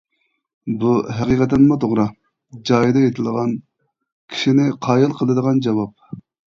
بۇ ھەقىقەتەنمۇ توغرا، جايىدا ئېيتىلغان، كىشىنى قايىل قىلىدىغان جاۋاب.